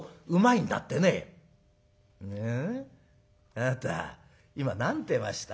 あなた今何てました？